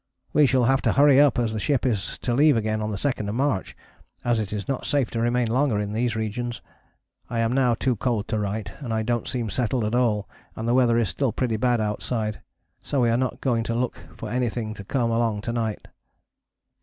We shall have to hurry up as the ship is to leave again on the 2nd of March, as it is not safe to remain longer in these regions. I am now too cold to write, and I dont seem settled at all and the weather is still pretty bad outside, so we are not going to look for anything to come along to night.